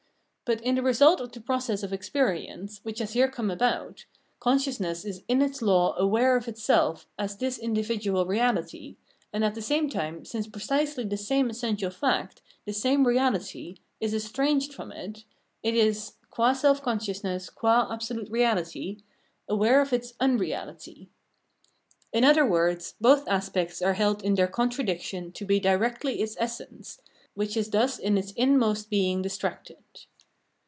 But in the result of the process of ex perience, which has here come about, consciousness is in its law aware of its self as this individual reahty ; and at the same time, since precisely this same essential S64 Phenomenology of Mind fact, this same reality, is estranged from it, it is — qua self consciousness, qua absolute reality — aware of its unreality. In other words, both aspects are held in their contradiction to be directly its essence, which is thus in its inmost being distracted.